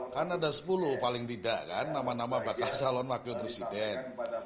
kan ada sepuluh paling tidak kan nama nama bakal calon wakil presiden